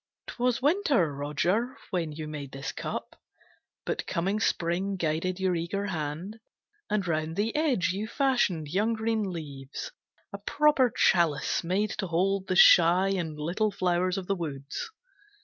'T was winter, Roger, when you made this cup, But coming Spring guided your eager hand And round the edge you fashioned young green leaves, A proper chalice made to hold the shy And little flowers of the woods.